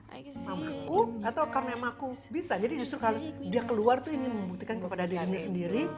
aku atau karena emakku bisa jadi justru kali dia keluar tuh ingin membuktikan kepada dirinya sendiri